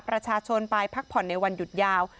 ประชาชนไปพักผ่อนในวันหยุดยาว